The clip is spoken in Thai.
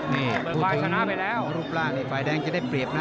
นี่ถูกถึงรูปร่างไฟแดงจะได้เปรียบนะ